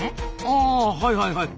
あはいはいはい。